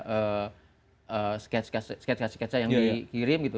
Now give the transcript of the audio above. eh sketsa sketsa yang dikirim gitu